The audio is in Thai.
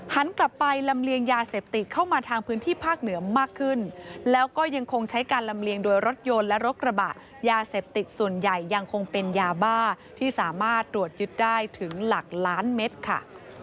หันกลับไปลำเลียงยาเสพติดเข้ามาทางพื้นที่ภาคเหนือมากขึ้นแล้วก็ยังคงใช้การลำเลียงโดยรถยนต์และรถกระบะยาเสพติดส่วนใหญ่ยังคงเป็นยาบ้าที่สามารถตรวจยึดได้ถึงหลักล้านเม็ดค่ะ